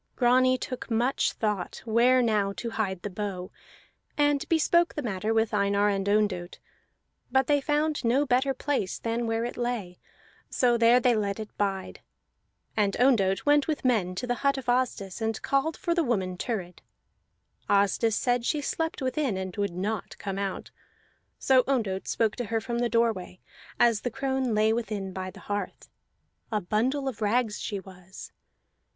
Grani took much thought where now to hide the bow, and bespoke the matter with Einar and Ondott; but they found no better place than where it lay, so there they let it bide. And Ondott went with men to the hut of Asdis, and called for the woman Thurid. Asdis said she slept within, and would not come out. So Ondott spoke to her from the doorway, as the crone lay within by the hearth; a bundle of rags she was.